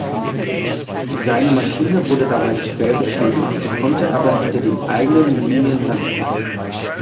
Seine Maschine wurde dabei schwer beschädigt, er konnte aber hinter den eigenen Linien landen.